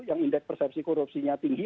yang indeks persepsi korupsinya tinggi